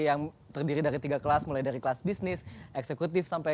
yang terdiri dari tiga kelas mulai dari kelas bisnis eksekutif sampai